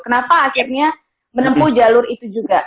kenapa akhirnya menempuh jalur itu juga